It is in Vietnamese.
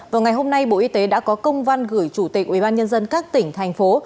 vào ngày hôm nay bộ y tế đã có công văn gửi chủ tịch ubnd các tỉnh thành phố